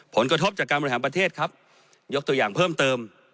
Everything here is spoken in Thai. ผลกระทบจากการบริหารประเทศครับยกตัวอย่างเพิ่มเติม